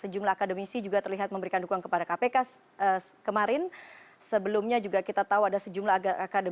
jadi memang begitu dakwaannya